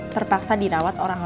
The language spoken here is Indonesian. terpaksa dirawat ke rumahnya